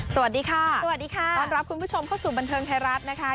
สวัสดีค่ะสวัสดีค่ะต้อนรับคุณผู้ชมเข้าสู่บันเทิงไทยรัฐนะคะ